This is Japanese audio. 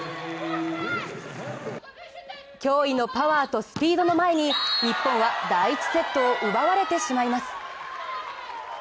驚異のパワーとスピードの前に日本は第１セットを奪われてしまいます。